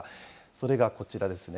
それがこちらですね。